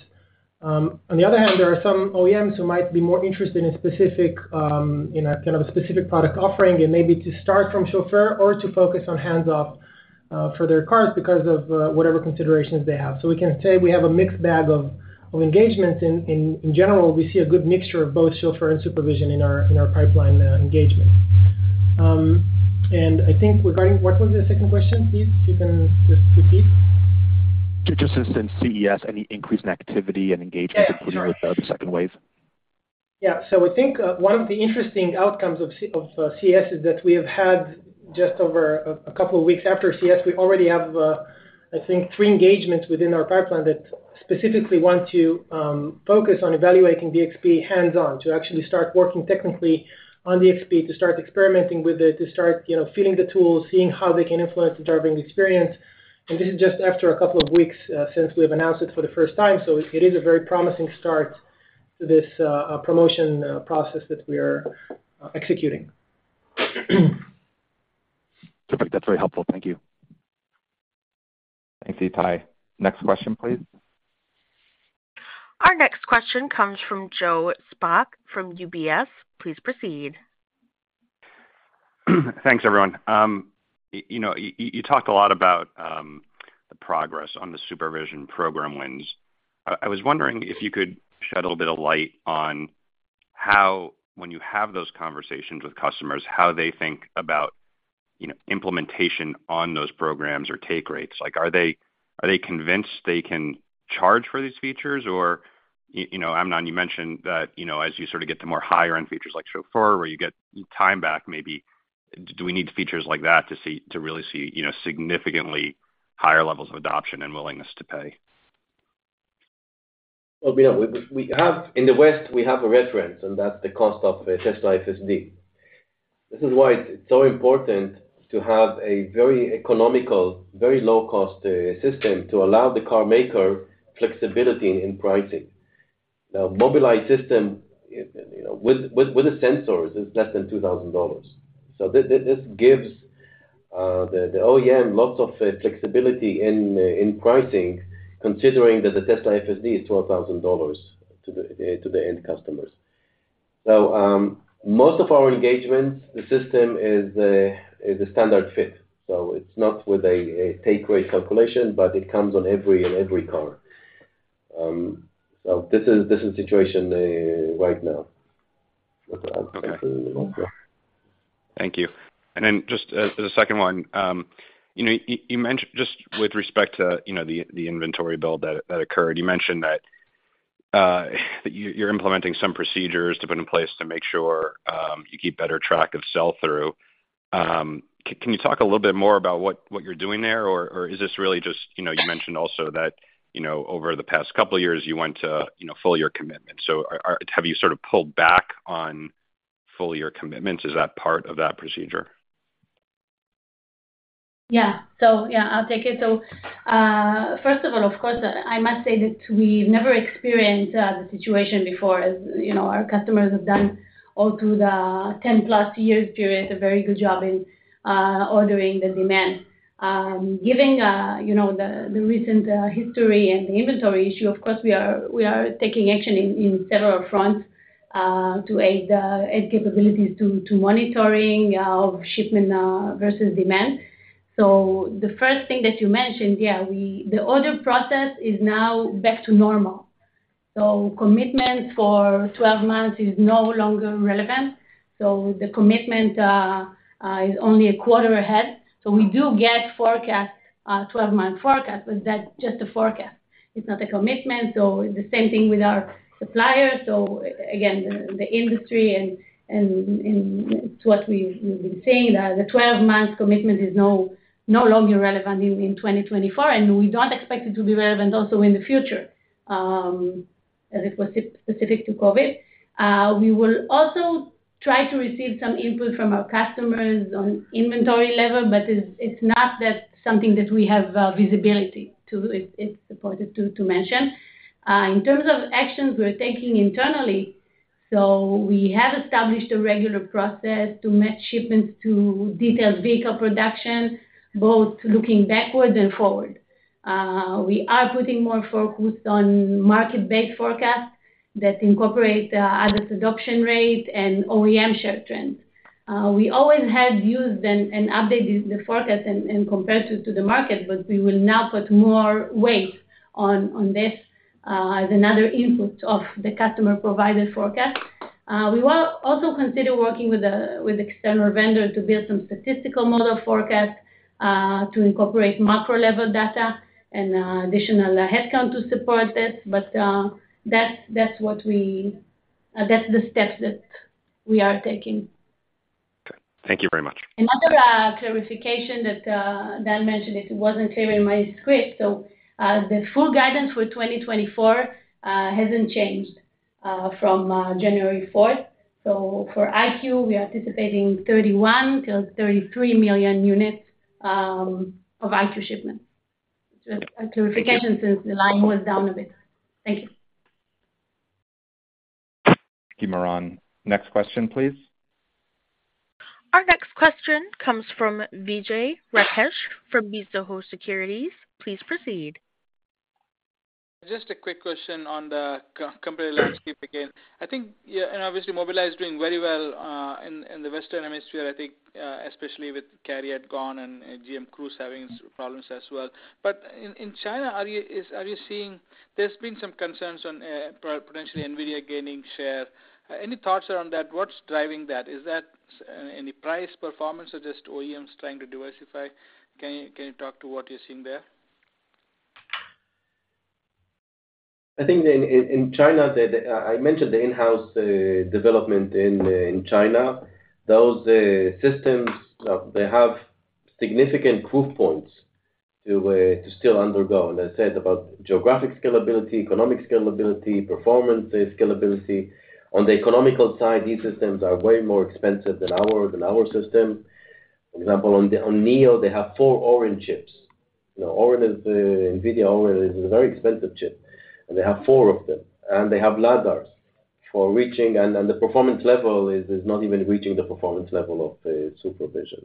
On the other hand, there are some OEMs who might be more interested in specific, a kind of a specific product offering, and maybe to start from Chauffeur or to focus on hands-off for their cars because of whatever considerations they have. So we can say we have a mixed bag of engagements. In general, we see a good mixture of both Chauffeur and SuperVision in our pipeline engagement. I think regarding what was the second question, please? You can just repeat. Just since CES, any increase in activity and engagement with the second wave? Yeah. So I think, one of the interesting outcomes of CES is that we have had just over a couple of weeks after CES, we already have, I think three engagements within our pipeline that specifically want to focus on evaluating the DXP hands-on, to actually start working technically on the DXP, to start experimenting with it, to start, you know, feeling the tools, seeing how they can influence the driving experience. And this is just after a couple of weeks, since we've announced it for the first time, so it is a very promising start to this, promotion process that we are executing. Perfect. That's very helpful. Thank you. Thanks, Itay. Next question, please. Our next question comes from Joe Spak from UBS. Please proceed. Thanks, everyone. You know, you talked a lot about the progress on the supervision program wins. I was wondering if you could shed a little bit of light on how, when you have those conversations with customers, how they think about, you know, implementation on those programs or take rates? Like, are they convinced they can charge for these features? Or, you know, Amnon, you mentioned that, you know, as you sort of get to more higher end features like Chauffeur, where you get time back, maybe do we need features like that to see, to really see, you know, significantly higher levels of adoption and willingness to pay? Well, we know we have in the West, we have a reference, and that's the cost of the Tesla FSD. This is why it's so important to have a very economical, very low-cost system to allow the car maker flexibility in pricing. Now, Mobileye system, you know, with the sensors, is less than $2,000. So this gives the OEM lots of flexibility in pricing, considering that the Tesla FSD is $12,000 to the end customers. So, most of our engagements, the system is a standard fit, so it's not with a take rate calculation, but it comes on every car. So this is the situation right now. Okay. That's all. Thank you. And then just as the second one, you know, you mentioned just with respect to, you know, the inventory build that occurred, you mentioned that, you're implementing some procedures to put in place to make sure you keep better track of sell-through. Can you talk a little bit more about what you're doing there? Or is this really just, you know, you mentioned also that, you know, over the past couple of years, you want to full year commitment. So are, have you sort of pulled back on full year commitments? Is that part of that procedure? Yeah. So, yeah, I'll take it. So, first of all, of course, I must say that we've never experienced the situation before. As you know, our customers have done all through the 10+ years period, a very good job in ordering the demand. Giving, you know, the recent history and the inventory issue, of course, we are taking action in several fronts to aid capabilities to monitoring shipment versus demand. So the first thing that you mentioned, yeah, the order process is now back to normal. So commitment for 12 months is no longer relevant. So the commitment is only a quarter ahead. So we do get forecast, 12-month forecast, but that's just a forecast. It's not a commitment. So the same thing with our suppliers. So again, the industry and what we've been saying, that the 12-month commitment is no longer relevant in 2024, and we don't expect it to be relevant also in the future. As it was specific to COVID. We will also try to receive some input from our customers on inventory level, but it's not that something that we have visibility to. It's important to mention. In terms of actions we're taking internally, so we have established a regular process to match shipments to detailed vehicle production, both looking backwards and forward. We are putting more focus on market-based forecasts that incorporate adult adoption rate and OEM share trends. We always have used and updated the forecast and compared to the market, but we will now put more weight on this as another input of the customer-provided forecast. We will also consider working with external vendors to build some statistical model forecast to incorporate macro level data and additional headcount to support this, but that's the steps that we are taking. Okay. Thank you very much. Another clarification that Dan mentioned, it wasn't clear in my script. So the full guidance for 2024 hasn't changed from January 4. So for EyeQ, we are anticipating 31 million-33 million units of EyeQ shipments. Just a clarification since the line was down a bit. Thank you. Thank you, Moran. Next question, please. Our next question comes from Vijay Rakesh from Mizuho Securities. Please proceed. Just a quick question on the company landscape again. I think, yeah, and obviously, Mobileye is doing very well in the Western Hemisphere, I think, especially with Carrier gone and GM Cruise having problems as well. But in China, are you seeing? There's been some concerns on potentially NVIDIA gaining share. Any thoughts around that? What's driving that? Is that any price performance or just OEMs trying to diversify? Can you talk to what you're seeing there? I think in China, I mentioned the in-house development in China. Those systems, they have significant proof points to still undergo. And I said about geographic scalability, economic scalability, performance scalability. On the economical side, these systems are way more expensive than our system. For example, on the NIO, they have four Orin chips. Orin is the NVIDIA. Orin is a very expensive chip, and they have four of them, and they have Lidars for reaching, and the performance level is not even reaching the performance level of the SuperVision.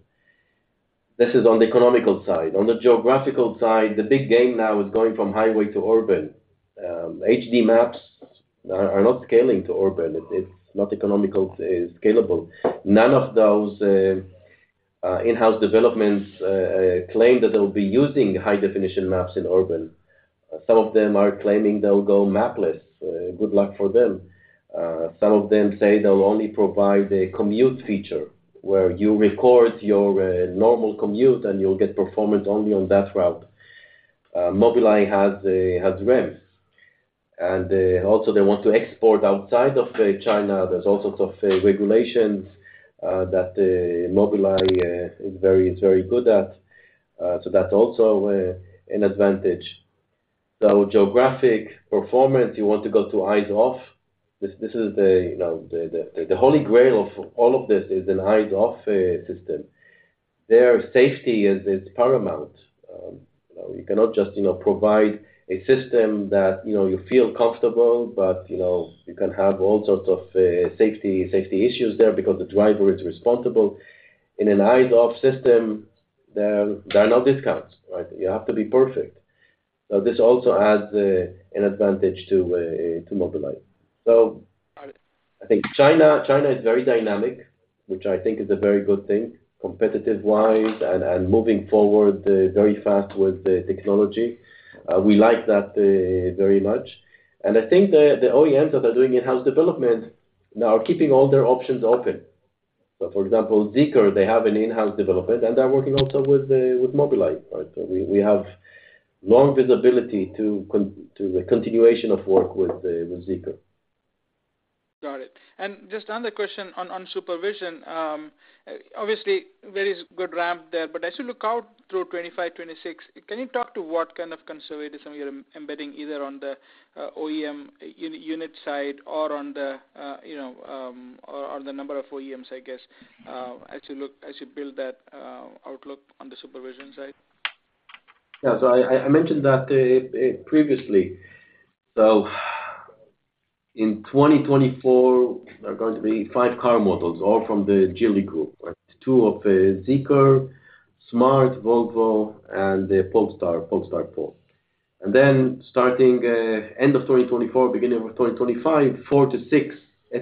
This is on the economical side. On the geographical side, the big game now is going from highway to urban. HD Maps are not scaling to urban. It's not economical, scalable. None of those in-house developments claim that they'll be using high-definition maps in urban. Some of them are claiming they'll go mapless. Good luck for them. Some of them say they'll only provide a commute feature, where you record your normal commute, and you'll get performance only on that route. Mobileye has REM, and also they want to export outside of China. There's all sorts of regulations that Mobileye is very, very good at. So that's also an advantage. So geographic performance, you want to go to Eyes-off. This is the, you know, the Holy Grail of all of this is an Eyes-off system. Their safety is paramount. You know, you cannot just, you know, provide a system that, you know, you feel comfortable, but, you know, you can have all sorts of safety issues there because the driver is responsible. In an eyes-off system, there are no discounts, right? You have to be perfect. So this also adds an advantage to Mobileye. So I think China, China is very dynamic, which I think is a very good thing, competitive-wise, and moving forward very fast with the technology. We like that very much. And I think the OEMs that are doing in-house development are keeping all their options open. So, for example, ZEEKR, they have an in-house development, and they're working also with Mobileye, right? So we have long visibility to the continuation of work with ZEEKR. Got it. And just another question on SuperVision. Obviously there is good ramp there, but as you look out through 2025, 2026, can you talk to what kind of conservatism you're embedding, either on the OEM unit side or on the, you know, or the number of OEMs, I guess? As you look, as you build that outlook on the SuperVision side. Yeah, so I mentioned that previously. So in 2024, there are going to be 5 car models, all from the Geely Group. Two of ZEEKR, smart, Volvo, and Polestar, Polestar 4. And then starting end of 2024, beginning of 2025, 4-6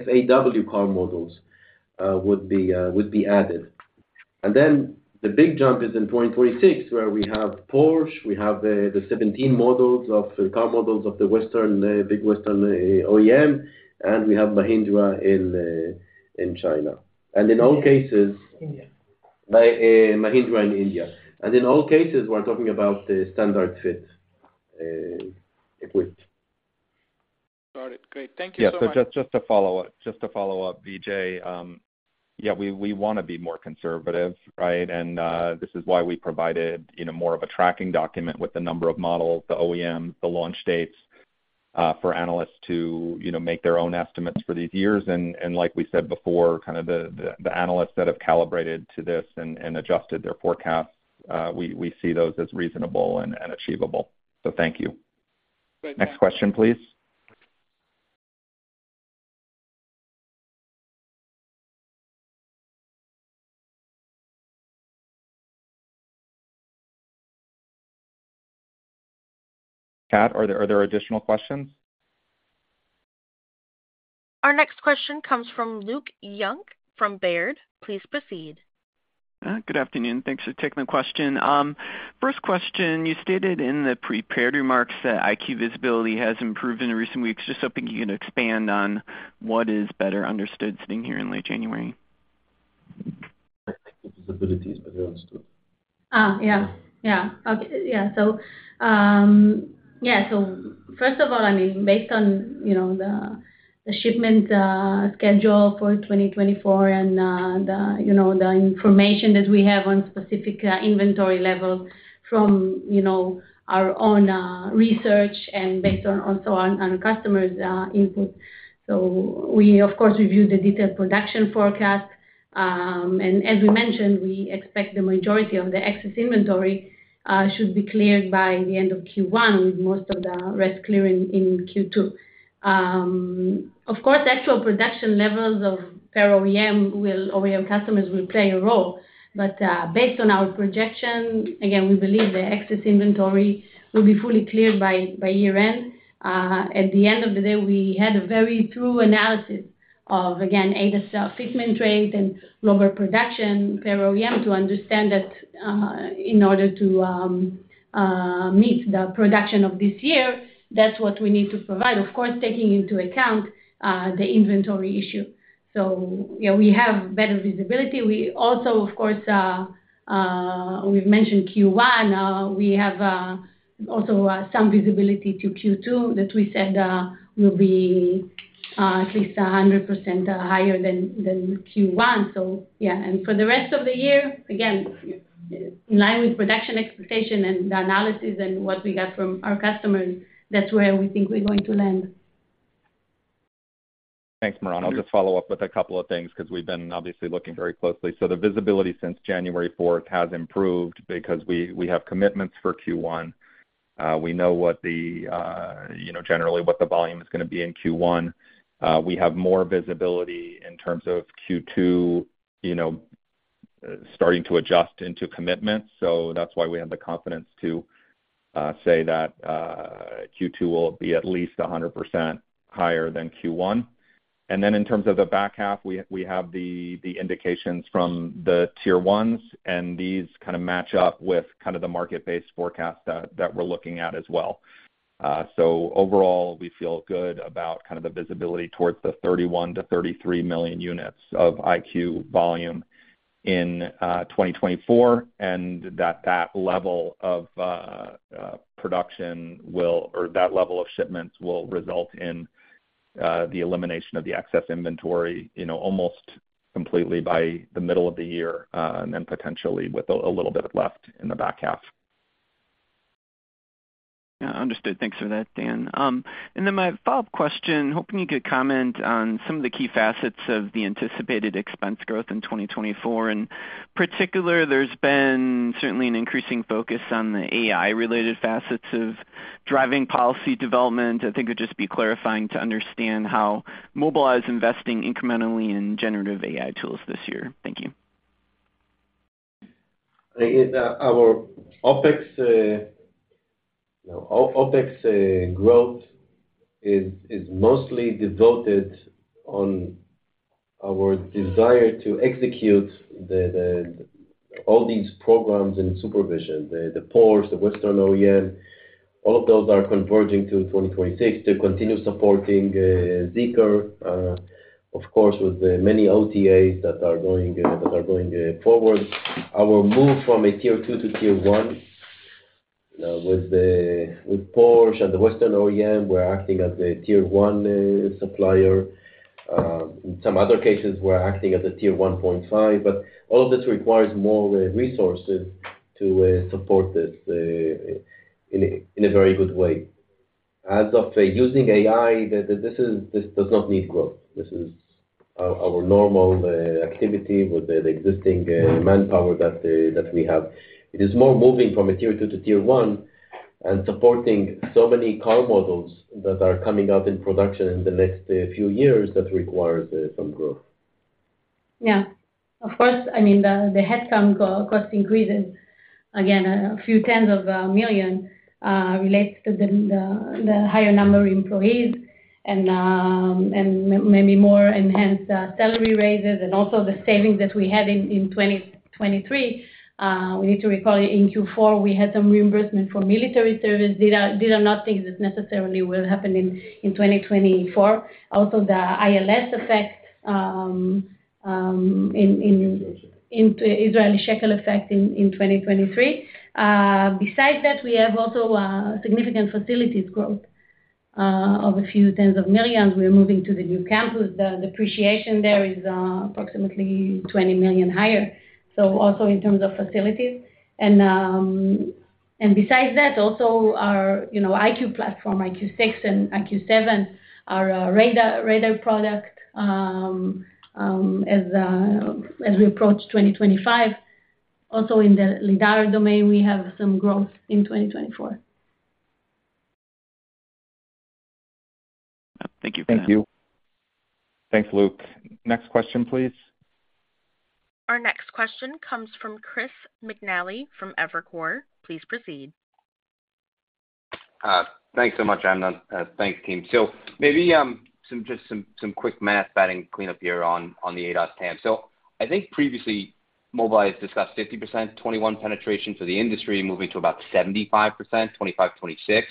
FAW car models would be added. And then the big jump is in 2026, where we have Porsche, we have the 17 models of the car models of the Western big Western OEM, and we have Mahindra in China. And in all cases- India. Mahindra in India. In all cases, we're talking about the standard fit, equipped. Got it. Great. Thank you so much. Yeah, so just to follow up, Vijay. Yeah, we want to be more conservative, right? And this is why we provided, you know, more of a tracking document with the number of models, the OEM, the launch dates, for analysts to, you know, make their own estimates for these years. And like we said before, kind of the analysts that have calibrated to this and adjusted their forecasts, we see those as reasonable and achievable. So thank you. Thank you. Next question, please. Pat, are there additional questions? Our next question comes from Luke Junk from Baird. Please proceed. Good afternoon. Thanks for taking the question. First question, you stated in the prepared remarks that EyeQ visibility has improved in recent weeks. Just hoping you can expand on what is better understood sitting here in late January. Visibility is better understood. Yeah. So, first of all, I mean, based on, you know, the shipment schedule for 2024 and, you know, the information that we have on specific inventory levels from, you know, our own research and based on also on customers' input. So we of course review the detailed production forecast, and as we mentioned, we expect the majority of the excess inventory should be cleared by the end of Q1, with most of the rest clearing in Q2. Of course, actual production levels per OEM, OEM customers will play a role, but based on our projection, again, we believe the excess inventory will be fully cleared by year-end. At the end of the day, we had a very thorough analysis of, again, ADAS self-fitment rate and lower production per OEM to understand that in order to meet the production of this year, that's what we need to provide, of course, taking into account the inventory issue. So yeah, we have better visibility. We also, of course, we've mentioned Q1. We have also some visibility to Q2 that we said will be at least 100% higher than Q1. So yeah, and for the rest of the year, again, in line with production expectation and the analysis and what we got from our customers, that's where we think we're going to land. Thanks, Moran. I'll just follow up with a couple of things because we've been obviously looking very closely. So the visibility since January fourth has improved because we have commitments for Q1. We know what the you know, generally what the volume is gonna be in Q1. We have more visibility in terms of Q2, you know, starting to adjust into commitments. So that's why we have the confidence to say that Q2 will be at least 100% higher than Q1. And then in terms of the back half, we have the indications from the Tier 1s, and these kind of match up with kind of the market-based forecast that we're looking at as well. So overall, we feel good about kind of the visibility towards the 31 million-33 million units of EyeQ volume in 2024, and that that level of production will, or that level of shipments will result in the elimination of the excess inventory, you know, almost completely by the middle of the year, and then potentially with a little bit left in the back half. Yeah. Understood. Thanks for that, Dan. And then my follow-up question, hoping you could comment on some of the key facets of the anticipated expense growth in 2024, and in particular, there's been certainly an increasing focus on the AI-related facets of driving policy development. I think it'd just be clarifying to understand how Mobileye is investing incrementally in generative AI tools this year. Thank you. Our OpEx growth is mostly devoted on our desire to execute the all these programs in supervision, the Porsche, the Western OEM, all of those are converging to 2026 to continue supporting Zeekr. Of course, with the many OTAs that are going forward. Our move from a Tier 2 to Tier 1 with Porsche and the Western OEM, we're acting as a Tier 1 supplier. Some other cases, we're acting as a Tier 1.5, but all of this requires more resources to support this in a very good way. As of using AI, this does not need growth. This is our normal activity with the existing manpower that we have. It is more moving from a Tier 2 to Tier 1 and supporting so many car models that are coming out in production in the next few years that requires some growth. Yeah. Of course, I mean, the head count cost increases, again, $20 million-$30 million, relates to the higher number of employees and maybe more enhanced salary raises and also the savings that we had in 2023. We need to recall in Q4, we had some reimbursement for military service. These are not things that necessarily will happen in 2024. Also, the ILS effect in the Israeli shekel effect in 2023. Besides that, we have also significant facilities growth.... of a few tens of millions, we are moving to the new campus. The depreciation there is approximately $20 million higher, so also in terms of facilities. And besides that, also our, you know, EyeQ platform, EyeQ6 and EyeQ7, our radar, radar product, as we approach 2025. Also, in the lidar domain, we have some growth in 2024. Thank you. Thank you. Thanks, Luke. Next question, please. Our next question comes from Chris McNally from Evercore. Please proceed. Thanks so much, Amnon. Thanks, team. So maybe some quick math batting cleanup here on the ADAS TAM. So I think previously, Mobileye has discussed 50% 2021 penetration for the industry, moving to about 75% 2025-2026.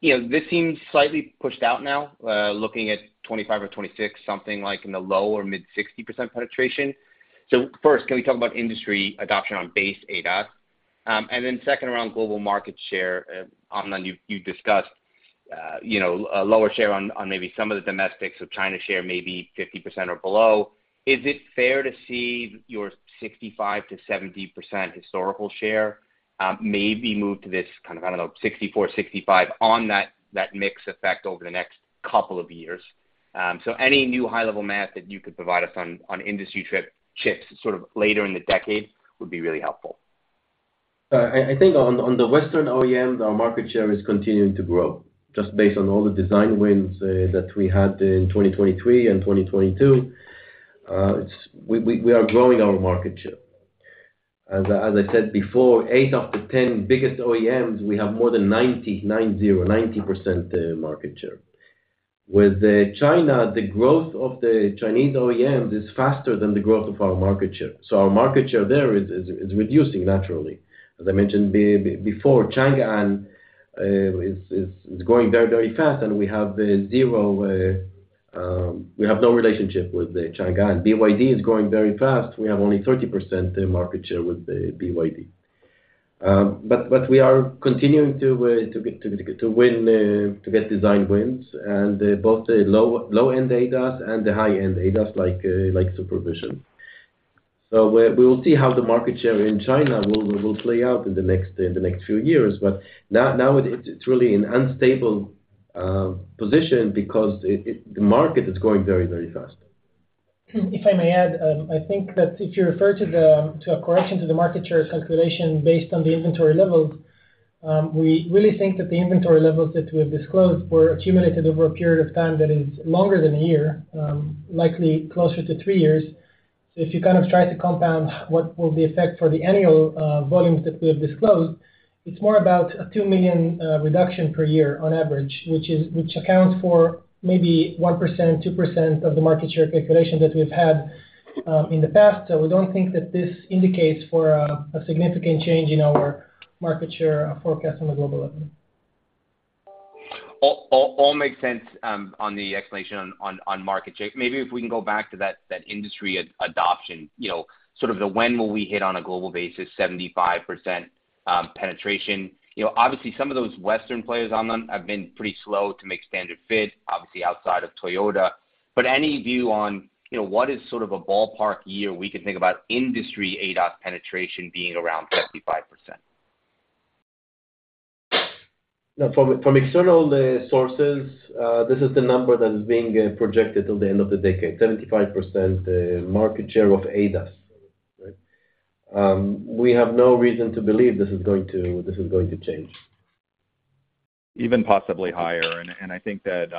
You know, this seems slightly pushed out now, looking at 2025 or 2026, something like in the low or mid-60% penetration. So first, can we talk about industry adoption on base ADAS? And then second, around global market share, Amnon, you discussed, you know, a lower share on maybe some of the domestics, so China share maybe 50% or below. Is it fair to see your 65%-70% historical share, maybe move to this kind of, I don't know, 64-65 on that mix effect over the next couple of years? So any new high-level math that you could provide us on industry trip-shifts, sort of later in the decade, would be really helpful. I think on the Western OEM, our market share is continuing to grow, just based on all the design wins that we had in 2023 and 2022. It is. We are growing our market share. As I said before, 8 out of 10 biggest OEMs, we have more than 99.0% market share. With China, the growth of the Chinese OEMs is faster than the growth of our market share. So our market share there is reducing naturally. As I mentioned before, Changan is growing very, very fast, and we have 0, we have no relationship with the Changan. BYD is growing very fast. We have only 30% market share with the BYD. But we are continuing to win, to get design wins and both the low-end ADAS and the high-end ADAS, like SuperVision. So we will see how the market share in China will play out in the next few years. But now it's really an unstable position because the market is growing very fast. If I may add, I think that if you refer to a correction to the market share calculation based on the inventory levels, we really think that the inventory levels that we have disclosed were accumulated over a period of time that is longer than a year, likely closer to three years. So if you kind of try to compound what will be effect for the annual volumes that we have disclosed, it's more about a 2 million reduction per year on average, which accounts for maybe 1%, 2% of the market share calculation that we've had in the past. So we don't think that this indicates for a significant change in our market share forecast on a global level. All makes sense on the explanation on market share. Maybe if we can go back to that industry adoption, you know, sort of the when will we hit on a global basis, 75% penetration? You know, obviously, some of those Western players on them have been pretty slow to make standard fit, obviously, outside of Toyota. But any view on, you know, what is sort of a ballpark year we can think about industry ADAS penetration being around 75%? Now, from external sources, this is the number that is being projected till the end of the decade, 75% market share of ADAS. Right? We have no reason to believe this is going to change. Even possibly higher. And I think that,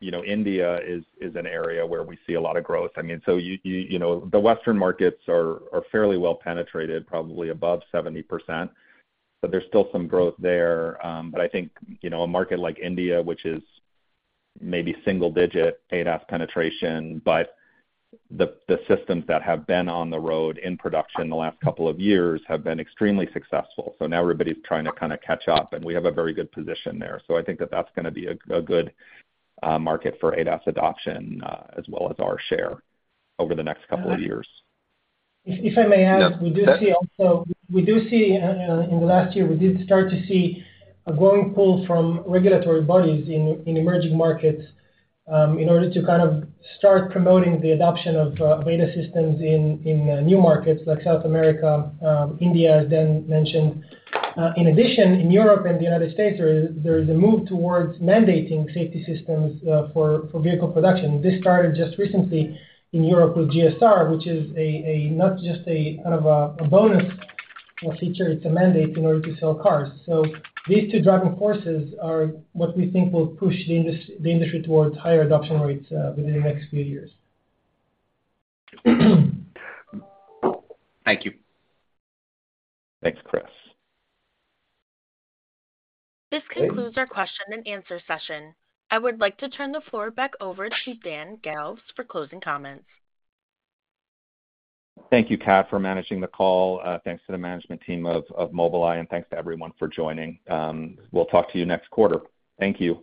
you know, India is an area where we see a lot of growth. I mean, so you know, the Western markets are fairly well penetrated, probably above 70%, but there's still some growth there. But I think, you know, a market like India, which is maybe single digit ADAS penetration, but the systems that have been on the road in production the last couple of years have been extremely successful. So now everybody's trying to kind of catch up, and we have a very good position there. So I think that that's gonna be a good market for ADAS adoption, as well as our share over the next couple of years. If I may add- Yeah. We do see, in the last year, we did start to see a growing pull from regulatory bodies in emerging markets, in order to kind of start promoting the adoption of ADAS systems in new markets like South America, India, as Dan mentioned. In addition, in Europe and the United States, there is a move towards mandating safety systems for vehicle production. This started just recently in Europe with GSR, which is not just a kind of bonus or feature, it's a mandate in order to sell cars. So these two driving forces are what we think will push the industry towards higher adoption rates within the next few years. Thank you. Thanks, Chris. This concludes our question and answer session. I would like to turn the floor back over to Dan Galves for closing comments. Thank you, Cat, for managing the call. Thanks to the management team of Mobileye, and thanks to everyone for joining. We'll talk to you next quarter. Thank you.